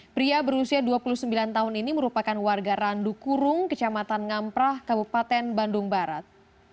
pria berusia dua puluh sembilan tahun ini merupakan warga randu kurung kecamatan ngamprah kabupaten bandung barat